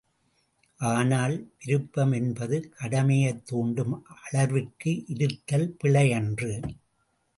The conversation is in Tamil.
ஆனால், விருப்பம் என்பது கடமையைத் தூண்டும் அளவிற்கு இருத்தல் பிழையன்று.